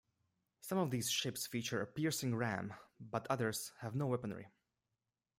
Some of these ships feature a piercing ram but others have no weaponry.